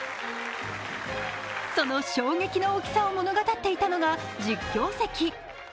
その衝撃の大きさを物語っていたのが実況席。